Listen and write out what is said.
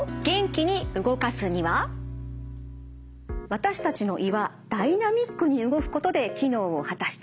私たちの胃はダイナミックに動くことで機能を果たしています。